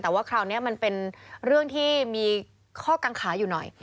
แต่ว่าคราวนี้มันเป็นเรื่องที่มีข้อกังขาอยู่หน่อย